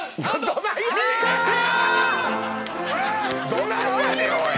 どないやねんおい！